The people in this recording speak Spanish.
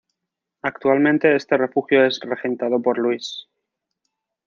Actualmente este refugio es regentado por Luis.